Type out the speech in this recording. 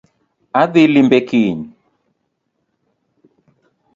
Adhii limbe kiny